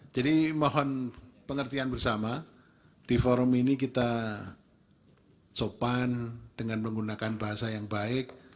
jadi mohon pengertian bersama di forum ini kita sopan dengan menggunakan bahasa yang baik